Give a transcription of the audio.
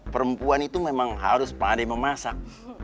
perempuan itu memang harus pandai memasak